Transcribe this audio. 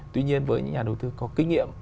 tuy nhiên với những nhà đầu tư có kinh nghiệm